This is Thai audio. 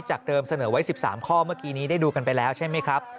และพวกเราเมื่อโปรดผิดจากเติมเสนอไว้๑๓ข้อเมื่อกี้นี้ได้ดูกันไปแล้วใช่มั้ยครับ